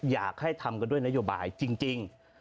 อยากให้ทำกันด้วยนโยบายจริง